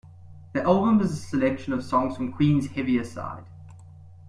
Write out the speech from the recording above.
The album is a selection of songs from Queen's heavier side.